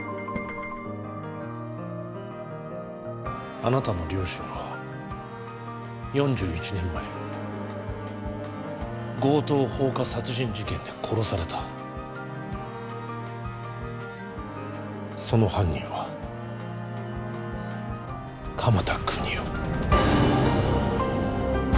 あなたの両親は４１年前強盗放火殺人事件で殺されたその犯人は鎌田國士